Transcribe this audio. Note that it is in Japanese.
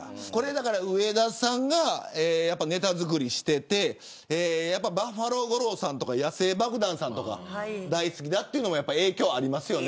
植田さんがネタ作りしていてバッファロー五郎さんとか野生爆弾さんとか大好きだというのもいい影響ありますよね。